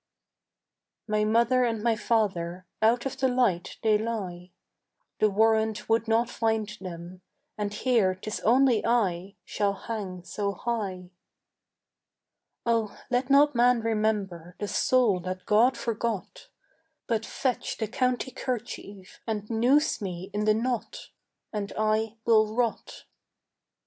My mother and my father Out of the light they lie; The warrant would not find them, And here 'tis only I Shall hang so high. Oh let not man remember The soul that God forgot, But fetch the county kerchief And noose me in the knot, And I will rot.